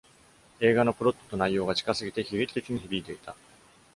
映画のプロットと内容が近すぎて悲劇的に響いていた。